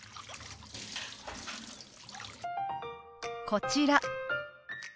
こちら。